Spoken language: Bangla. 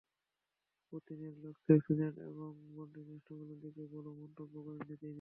পুতিনের লক্ষ্য ফিনল্যান্ড এবং বাল্টিক রাষ্ট্রগুলোর দিকে বলেও মন্তব্য করেন তিনি।